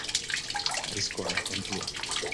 Harrizkoa da tenplua.